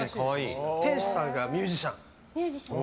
店主さんがミュージシャン。